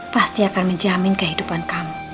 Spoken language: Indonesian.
pasti akan menjamin kehidupan kamu